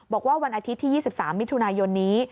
วันอาทิตย์ที่๒๓มิถุนายนนี้